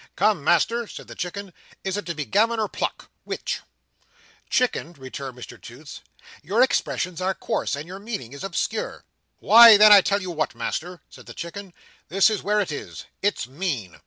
"Come, Master," said the Chicken. "Is it to be gammon or pluck? Which?" "Chicken," returned Mr Toots, "your expressions are coarse, and your meaning is obscure." "Why, then, I tell you what, Master," said the Chicken. "This is where it is. It's mean."